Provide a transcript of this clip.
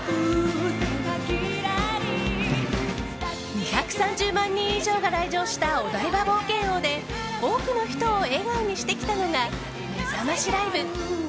２３０万人以上が来場したお台場冒険王で多くの人を笑顔にしてきたのがめざましライブ。